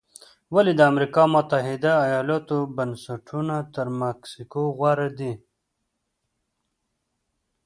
ولې د امریکا متحده ایالتونو بنسټونه تر مکسیکو غوره دي؟